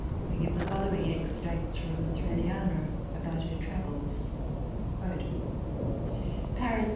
I give the following extracts from Thraliana about her travels. " Paris.